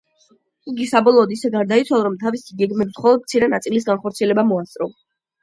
იგი საბოლოოდ ისე გარდაიცვალა, რომ თავისი გეგმების მხოლოდ მცირე ნაწილის განხორციელება მოასწრო.